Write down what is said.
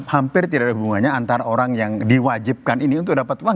hampir tidak ada hubungannya antara orang yang diwajibkan ini untuk dapat uang